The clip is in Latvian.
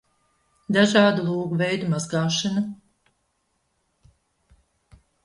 Dažādu logu veidu mazgāšana